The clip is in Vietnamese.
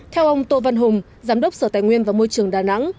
theo ông tô văn hùng giám đốc sở tài nguyên và môi trường đà nẵng